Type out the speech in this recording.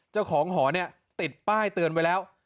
เจ้าของหอเนี่ยติดป้ายเตือนไว้แล้ว